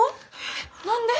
何で？